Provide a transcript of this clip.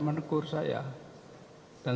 menegur saya dan